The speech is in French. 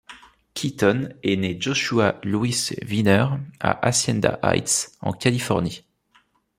Keaton est né Joshua Luis Wiener à Hacienda Heights, en Californie.